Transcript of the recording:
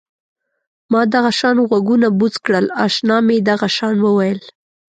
ما دغه شان غوږونه بوڅ کړل اشنا مې دغه شان وویل.